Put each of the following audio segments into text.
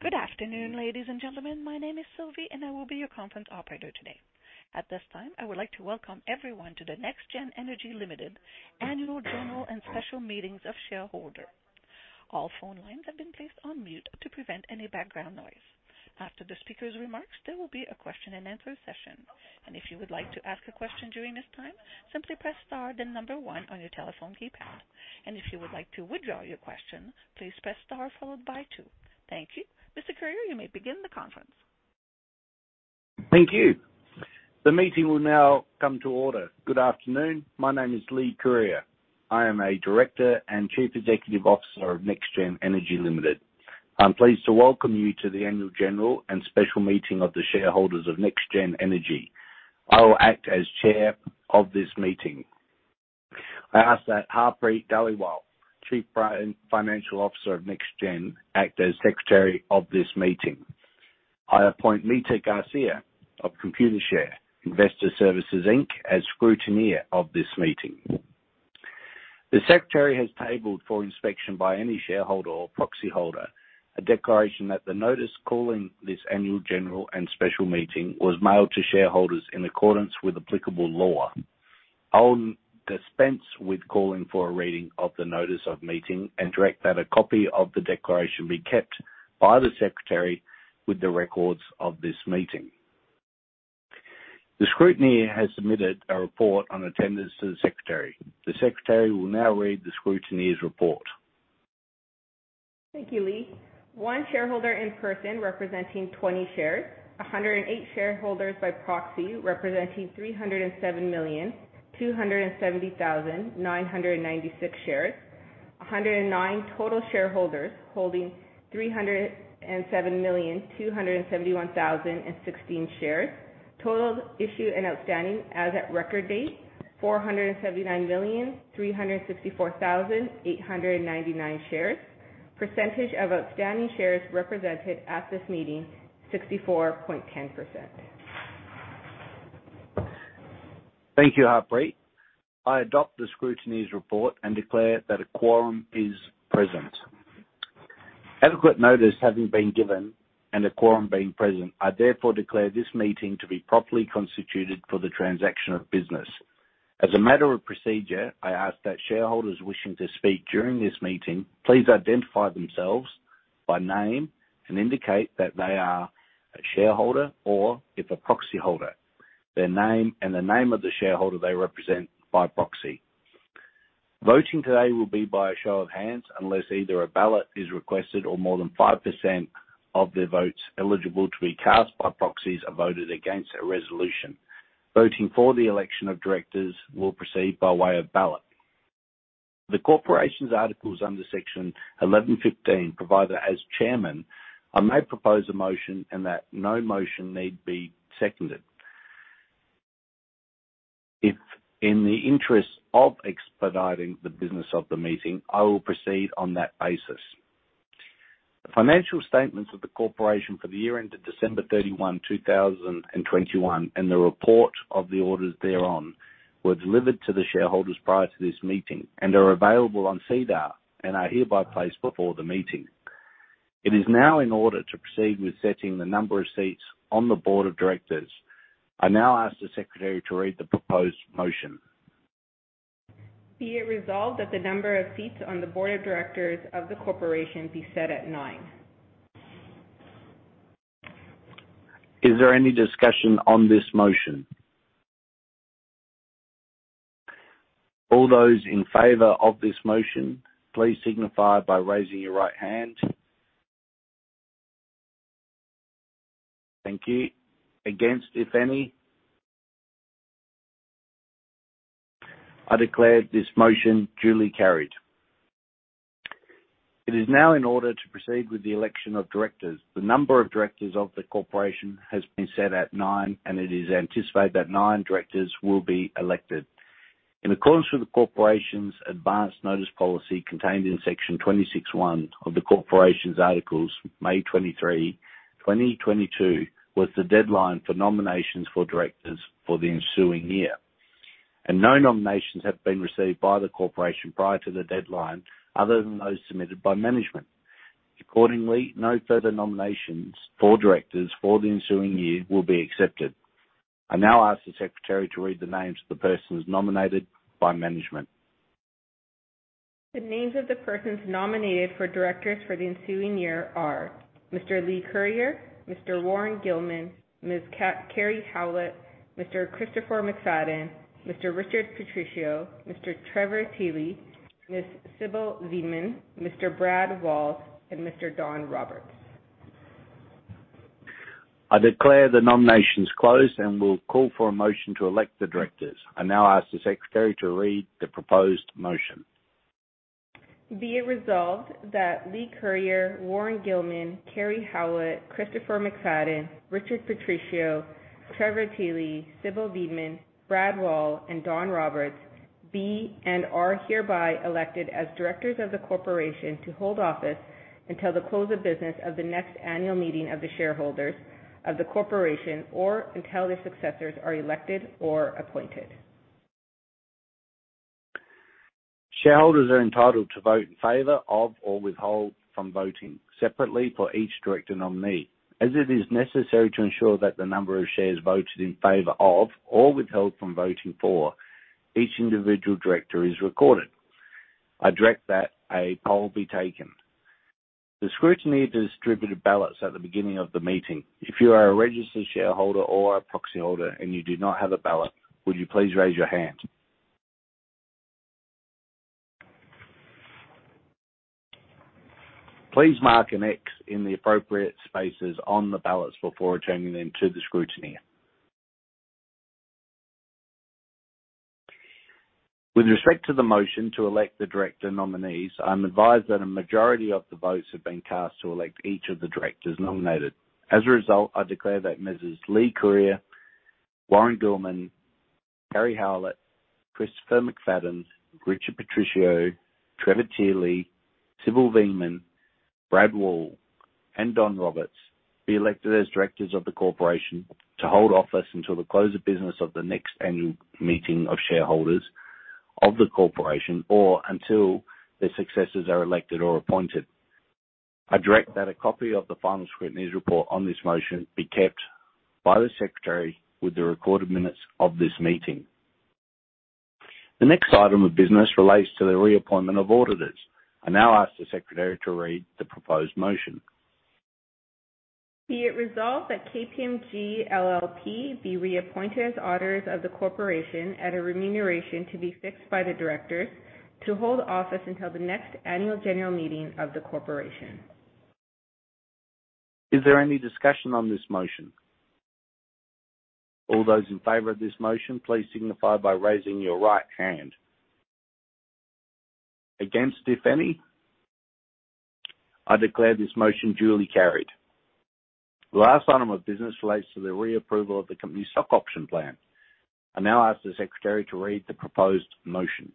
Good afternoon, ladies and gentlemen. My name is Sylvie, and I will be your conference operator today. At this time, I would like to welcome everyone to the NexGen Energy Ltd. Annual General and Special Meetings of Shareholders. All phone lines have been placed on mute to prevent any background noise. After the speaker's remarks, there will be a question-and-answer session. If you would like to ask a question during this time, simply press star then number one on your telephone keypad. If you would like to withdraw your question, please press star followed by two. Thank you. Mr. Curyer, you may begin the conference. Thank you. The meeting will now come to order. Good afternoon. My name is Leigh Curyer. I am a Director and Chief Executive Officer of NexGen Energy Ltd. I'm pleased to welcome you to the annual general and special meeting of the shareholders of NexGen Energy. I will act as chair of this meeting. I ask that Harpreet Dhaliwal, Chief Financial Officer of NexGen, act as secretary of this meeting. I appoint Mita Garcia of Computershare Investor Services Inc. as scrutineer of this meeting. The secretary has tabled for inspection by any shareholder or proxyholder a declaration that the notice calling this annual general and special meeting was mailed to shareholders in accordance with applicable law. I'll dispense with calling for a reading of the notice of meeting and direct that a copy of the declaration be kept by the secretary with the records of this meeting. The scrutineer has submitted a report on attendance to the secretary. The secretary will now read the scrutineer's report. Thank you, Leigh. One shareholder in person representing 20 shares. 108 shareholders by proxy representing 307,270,996 shares. 109 total shareholders holding 307,271,016 shares. Total issued and outstanding as at record date, 479,364,899 shares. Percentage of outstanding shares represented at this meeting, 64.10%. Thank you, Harpreet. I adopt the scrutineer's report and declare that a quorum is present. Adequate notice having been given and a quorum being present, I therefore declare this meeting to be properly constituted for the transaction of business. As a matter of procedure, I ask that shareholders wishing to speak during this meeting please identify themselves by name and indicate that they are a shareholder, or if a proxyholder, their name and the name of the shareholder they represent by proxy. Voting today will be by a show of hands unless either a ballot is requested or more than 5% of the votes eligible to be cast by proxies are voted against a resolution. Voting for the election of directors will proceed by way of ballot. The corporation's articles under Section 11.15 provide that as chairman, I may propose a motion and that no motion need be seconded. If in the interest of expediting the business of the meeting, I will proceed on that basis. The financial statements of the corporation for the year ended December 31, 2021, and the report of the auditors thereon were delivered to the shareholders prior to this meeting and are available on SEDAR and are hereby placed before the meeting. It is now in order to proceed with setting the number of seats on the board of directors. I now ask the secretary to read the proposed motion. Be it resolved that the number of seats on the board of directors of the corporation be set at nine. Is there any discussion on this motion? All those in favor of this motion, please signify by raising your right hand. Thank you. Against, if any? I declare this motion duly carried. It is now in order to proceed with the election of directors. The number of directors of the corporation has been set at nine, and it is anticipated that nine directors will be elected. In accordance with the corporation's advance notice policy contained in Section 26.1 of the corporation's articles, May 23, 2022 was the deadline for nominations for directors for the ensuing year. No nominations have been received by the corporation prior to the deadline other than those submitted by management. Accordingly, no further nominations for directors for the ensuing year will be accepted. I now ask the secretary to read the names of the persons nominated by management. The names of the persons nominated for directors for the ensuing year are Mr. Leigh Curyer, Mr. Warren Gilman, Ms. Karri Howlett, Mr. Christopher McFadden, Mr. Richard Patricio, Mr. Trevor Thiele, Ms. Sybil Veenman, Mr. Brad Wall, and Mr. Don Roberts. I declare the nominations closed and will call for a motion to elect the directors. I now ask the secretary to read the proposed motion. Be it resolved that Leigh Curyer, Warren Gilman, Karri Howlett, Christopher McFadden, Richard Patricio, Trevor Thiele, Sybil Veenman, Brad Wall, and Don Roberts be and are hereby elected as directors of the corporation to hold office until the close of business of the next annual meeting of the shareholders of the corporation or until their successors are elected or appointed. Shareholders are entitled to vote in favor of or withhold from voting separately for each director nominee, as it is necessary to ensure that the number of shares voted in favor of or withheld from voting for each individual director is recorded. I direct that a poll be taken. The scrutineer distributed ballots at the beginning of the meeting. If you are a registered shareholder or a proxy holder and you do not have a ballot, would you please raise your hand? Please mark an X in the appropriate spaces on the ballots before returning them to the scrutineer. With respect to the motion to elect the director nominees, I'm advised that a majority of the votes have been cast to elect each of the directors nominated. As a result, I declare that Messrs. Leigh Curyer, Warren Gilman, Karri Howlett, Christopher McFadden, Richard Patricio, Trevor Thiele, Sybil Veenman, Brad Wall, and Don Roberts be elected as directors of the corporation to hold office until the close of business of the next annual meeting of shareholders of the corporation or until their successors are elected or appointed. I direct that a copy of the final scrutineer's report on this motion be kept by the secretary with the recorded minutes of this meeting. The next item of business relates to the reappointment of auditors. I now ask the secretary to read the proposed motion. Be it resolved that KPMG LLP be reappointed as auditors of the corporation at a remuneration to be fixed by the directors to hold office until the next annual general meeting of the corporation. Is there any discussion on this motion? All those in favor of this motion, please signify by raising your right hand. Against, if any? I declare this motion duly carried. The last item of business relates to the reapproval of the company's stock option plan. I now ask the secretary to read the proposed motion.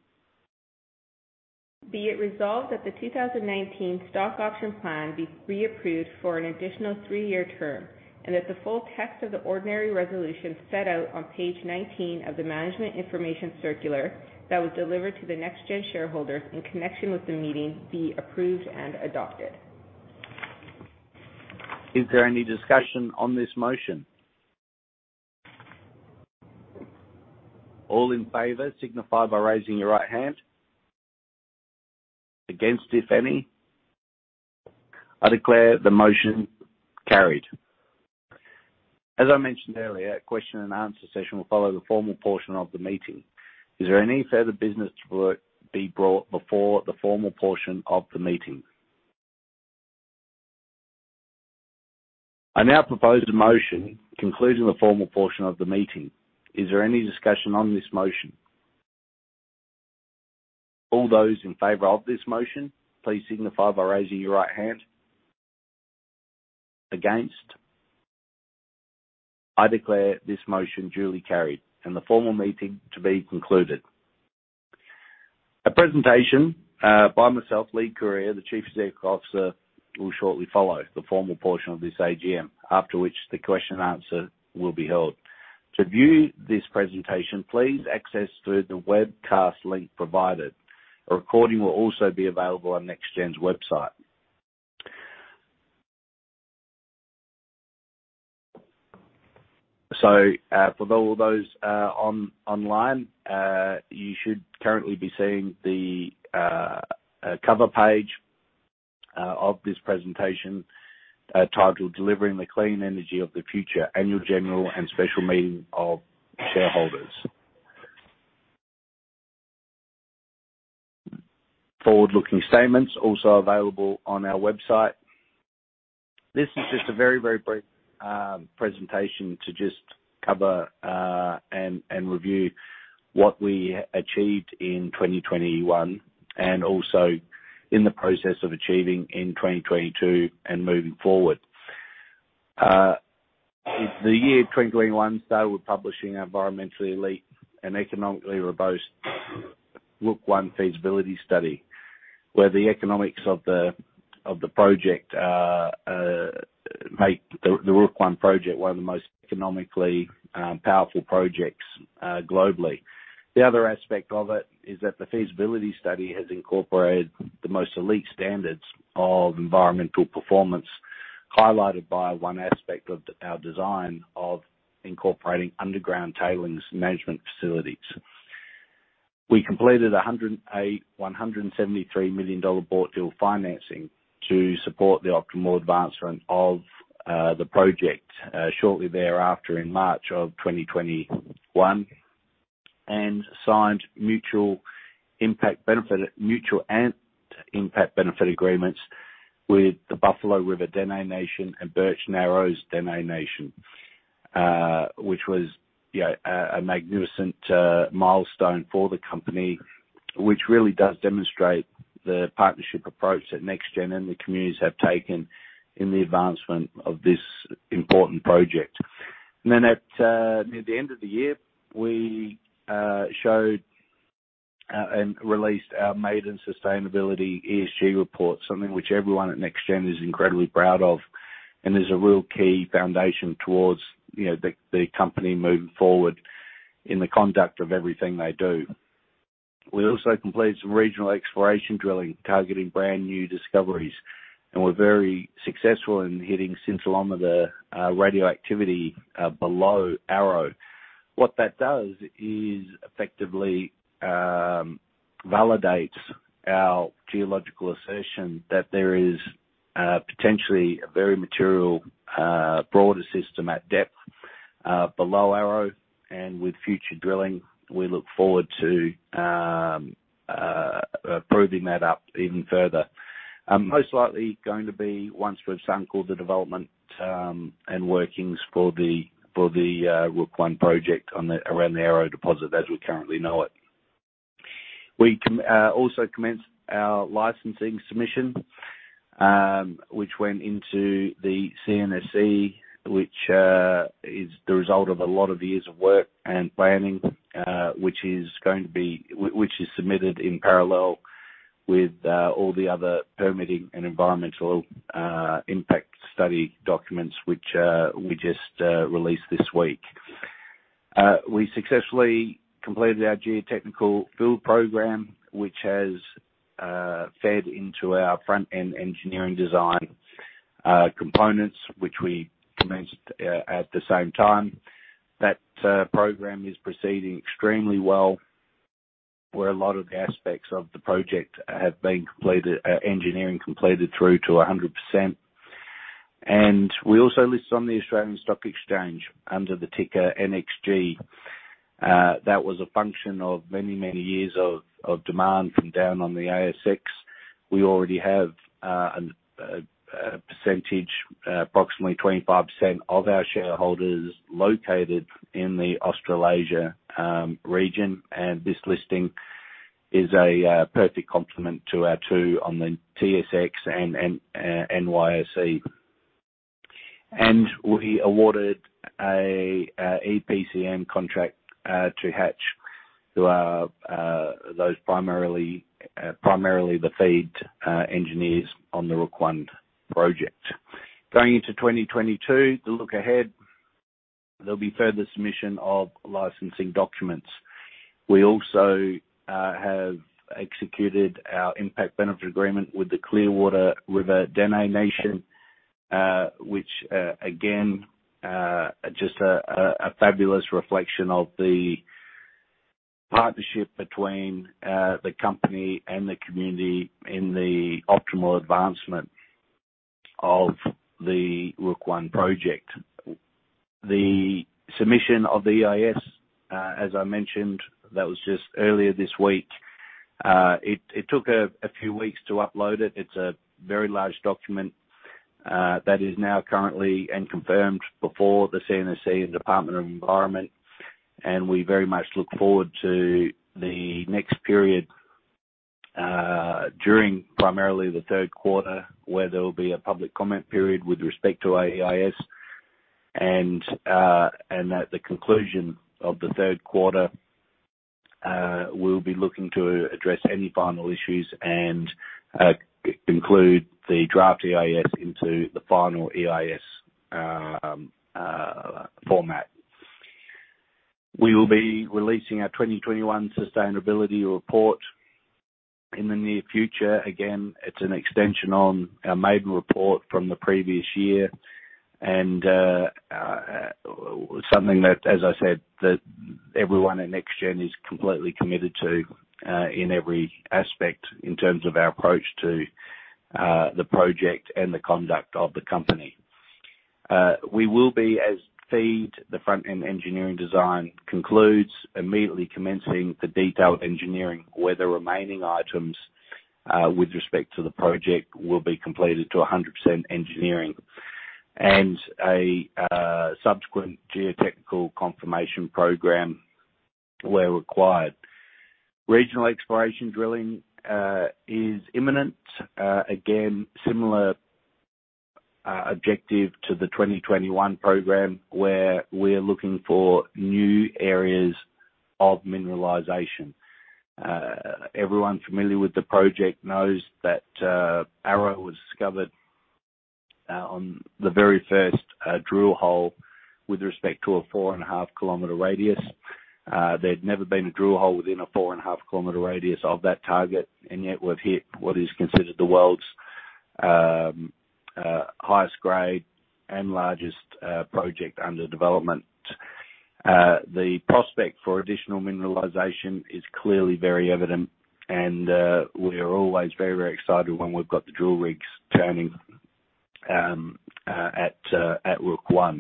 Be it resolved that the 2019 stock option plan be reapproved for an additional three-year term, and that the full text of the ordinary resolution set out on page 19 of the Management Information Circular that was delivered to the NexGen shareholders in connection with the meeting be approved and adopted. Is there any discussion on this motion? All in favor, signify by raising your right hand. Against, if any? I declare the motion carried. As I mentioned earlier, a question and answer session will follow the formal portion of the meeting. Is there any further business to be brought before the formal portion of the meeting? I now propose a motion concluding the formal portion of the meeting. Is there any discussion on this motion? All those in favor of this motion, please signify by raising your right hand. Against? I declare this motion duly carried and the formal meeting to be concluded. A presentation by myself, Leigh Curyer, the Chief Executive Officer, will shortly follow the formal portion of this AGM, after which the question and answer will be held. To view this presentation, please access through the webcast link provided. A recording will also be available on NexGen's website. For all those online, you should currently be seeing the cover page of this presentation titled Delivering the Clean Energy of the Future Annual General and Special Meeting of Shareholders. Forward-looking statements also available on our website. This is just a very brief presentation to just cover and review what we achieved in 2021 and also in the process of achieving in 2022 and moving forward. The year 2021 started with publishing environmentally elite and economically robust Rook I feasibility study, where the economics of the project make the Rook I project one of the most economically powerful projects globally. The other aspect of it is that the feasibility study has incorporated the most elite standards of environmental performance, highlighted by one aspect of our design of incorporating underground tailings management facilities. We completed 173 million dollar portfolio financing to support the optimal advancement of the project shortly thereafter in March 2021, and signed mutual and impact benefit agreements with the Buffalo River Dene Nation and Birch Narrows Dene Nation, which was, you know, a magnificent milestone for the company, which really does demonstrate the partnership approach that NexGen and the communities have taken in the advancement of this important project. At near the end of the year, we showed and released our maiden sustainability ESG report, something which everyone at NexGen is incredibly proud of, and is a real key foundation towards, you know, the company moving forward in the conduct of everything they do. We also completed some regional exploration drilling, targeting brand new discoveries, and we're very successful in hitting zones along the radioactivity below Arrow. What that does is effectively validates our geological assertion that there is potentially a very material broader system at depth below Arrow, and with future drilling, we look forward to proving that up even further. Most likely going to be once we've sunk all the development and workings for the Rook I project around the Arrow deposit as we currently know it. We also commenced our licensing submission, which went into the CNSC, which is the result of a lot of years of work and planning, which is submitted in parallel with all the other permitting and environmental impact study documents, which we just released this week. We successfully completed our geotechnical field program, which has fed into our front-end engineering design components, which we commenced at the same time. That program is proceeding extremely well, where a lot of the aspects of the project have been completed, engineering completed through to 100%. We also listed on the Australian Stock Exchange under the ticker NXG. That was a function of many years of demand from down on the ASX. We already have a percentage, approximately 25% of our shareholders located in the Australasia region, and this listing is a perfect complement to our two on the TSX and NYSE. We awarded a EPCM contract to Hatch, who are primarily the FEED engineers on the Rook I project. Going into 2022, the outlook. There'll be further submission of licensing documents. We also have executed our impact benefit agreement with the Clearwater River Dene Nation, which again just a fabulous reflection of the partnership between the company and the community in the optimal advancement of the Rook I project. The submission of the EIS, as I mentioned, that was just earlier this week. It took a few weeks to upload it. It's a very large document that is now currently and confirmed before the CNSC and Department of Environment. We very much look forward to the next period during primarily the third quarter, where there will be a public comment period with respect to our EIS. At the conclusion of the third quarter, we'll be looking to address any final issues and conclude the draft EIS into the final EIS format. We will be releasing our 2021 sustainability report in the near future. Again, it's an extension on our maiden report from the previous year and something that, as I said, everyone at NexGen is completely committed to in every aspect in terms of our approach to the project and the conduct of the company. We will be, as FEED, the front-end engineering design concludes, immediately commencing the detailed engineering, where the remaining items with respect to the project will be completed to 100% engineering. A subsequent geotechnical confirmation program where required. Regional exploration drilling is imminent. Again, similar objective to the 2021 program, where we're looking for new areas of mineralization. Everyone familiar with the project knows that, Arrow was discovered on the very first drill hole with respect to a 4.5 km radius. There had never been a drill hole within a 4.5 km radius of that target. Yet we've hit what is considered the world's highest grade and largest project under development. The prospect for additional mineralization is clearly very evident, and we are always very excited when we've got the drill rigs turning at Rook I.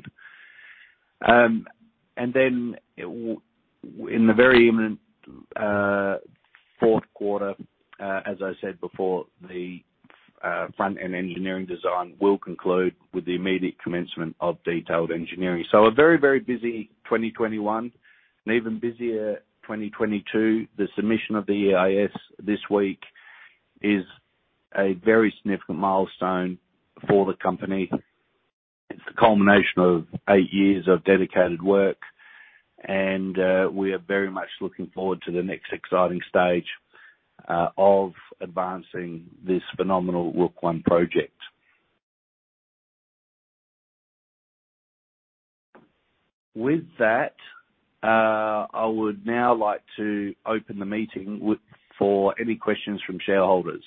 In the very imminent fourth quarter, as I said before, the front-end engineering design will conclude with the immediate commencement of detailed engineering. A very busy 2021 and even busier 2022. The submission of the EIS this week is a very significant milestone for the company. It's the culmination of eight years of dedicated work, and we are very much looking forward to the next exciting stage of advancing this phenomenal Rook I project. With that, I would now like to open the meeting for any questions from shareholders.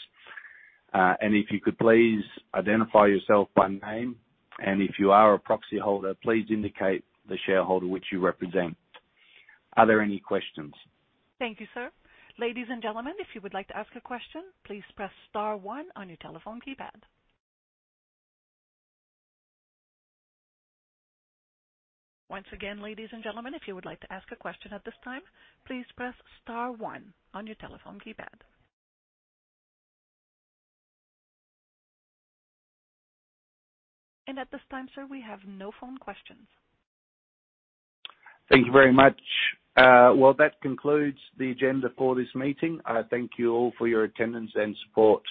If you could please identify yourself by name, and if you are a proxy holder, please indicate the shareholder which you represent. Are there any questions? Thank you, sir. Ladies and gentlemen, if you would like to ask a question, please press star one on your telephone keypad. Once again, ladies and gentlemen, if you would like to ask a question at this time, please press star one on your telephone keypad. At this time, sir, we have no phone questions. Thank you very much. Well, that concludes the agenda for this meeting. I thank you all for your attendance and support,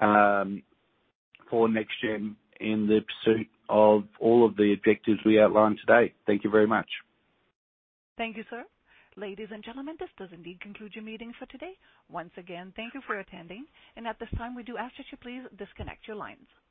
for NexGen in the pursuit of all of the objectives we outlined today. Thank you very much. Thank you, sir. Ladies and gentlemen, this does indeed conclude your meeting for today. Once again, thank you for attending. At this time, we do ask that you please disconnect your lines.